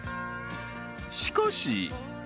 ［しかし］